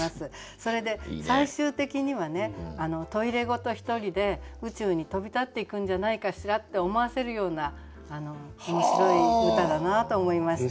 それで最終的にはトイレごと１人で宇宙に飛び立っていくんじゃないかしらって思わせるような面白い歌だなと思いました。